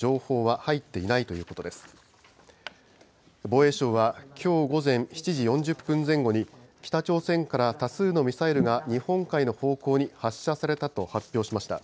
防衛省はきょう午前７時４０分前後に、北朝鮮から多数のミサイルが日本海の方向に発射されたと発表しました。